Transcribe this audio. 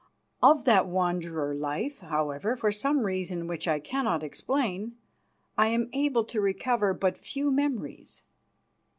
Of that Wanderer life, however, for some reason which I cannot explain, I am able to recover but few memories.